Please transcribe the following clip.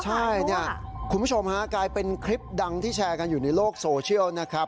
ใช่เนี่ยคุณผู้ชมฮะกลายเป็นคลิปดังที่แชร์กันอยู่ในโลกโซเชียลนะครับ